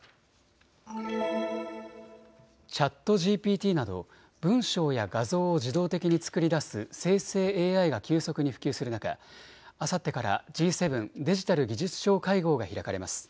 チャットＧＰＴなど文章や画像を自動的に作り出す生成ＡＩが急速に普及する中、あさってからＧ７デジタル・技術相会合が開かれます。